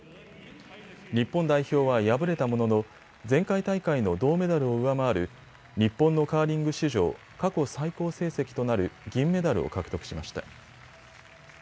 日本代表は敗れたものの前回大会の銅メダルを上回る日本のカーリング史上過去最高成績となる銀メダルを獲得しました。